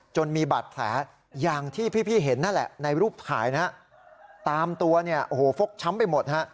มีบาดแผลอย่างที่พี่เห็นนั่นแหละในรูปถ่ายนะฮะตามตัวเนี่ยโอ้โหฟกช้ำไปหมดฮะ